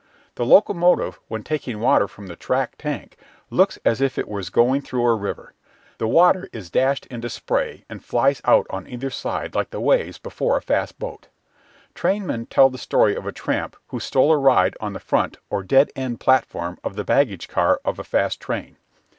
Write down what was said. The locomotive, when taking water from a track tank, looks as if it was going through a river: the water is dashed into spray and flies out on either side like the waves before a fast boat. Trainmen tell the story of a tramp who stole a ride on the front or "dead" end platform of the baggage car of a fast train.